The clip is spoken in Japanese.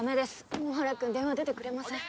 野原くん電話出てくれません